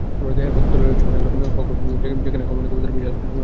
এরপর দোতলায় রয়েছে অনেকগুলো কক্ষ, যেখানে কমান্ডিং অফিসার বিশাল একটি রুমে থাকত।